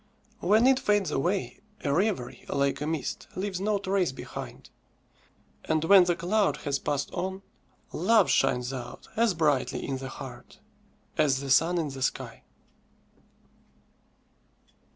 When it fades away, a reverie, like a mist, leaves no trace behind; and when the cloud has passed on, love shines out as brightly in the heart as the sun in the sky.